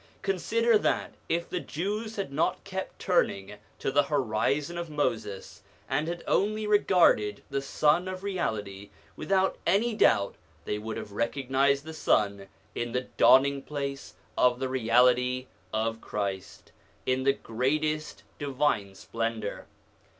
Consider that if the Jews had not kept turning to the horizon of Moses, and had only regarded the Sun of Reality, without any doubt they would have recognised the Sun in the dawning place of the reality of Christ, in the greatest divine splendour.